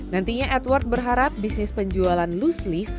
nantinya adwords berharap bisnis penjualan loose leaf